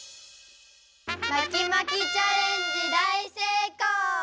まきまきチャレンジだいせいこう！